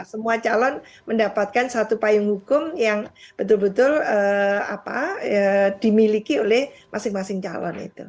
semua calon mendapatkan satu payung hukum yang betul betul dimiliki oleh masing masing calon itu